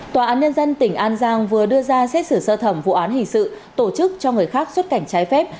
tòa án nhân dân tỉnh an giang vừa đưa ra xét xử sơ thẩm vụ án hình sự tổ chức cho người khác xuất cảnh trái phép